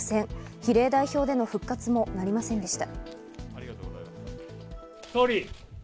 比例代表での復活もなりませんでした。